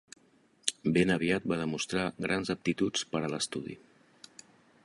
Ben aviat va demostrar grans aptituds per a l'estudi.